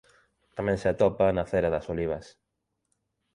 Tamén se atopa na cera das olivas.